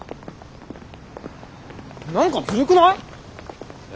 何かずるくない？え？